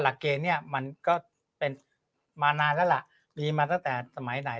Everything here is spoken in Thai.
หลักเกณฑ์เนี่ยมันก็เป็นมานานแล้วล่ะมีมาตั้งแต่สมัยไหน